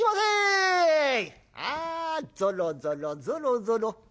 ああぞろぞろぞろぞろ。